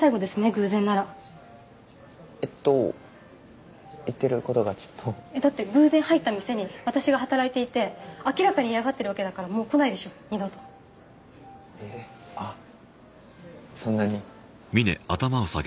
偶然ならえっと言ってることがちょっとだって偶然入った店に私が働いていて明らかに嫌がってるわけだからもう来ないでしょ二度とえっあっそんなに？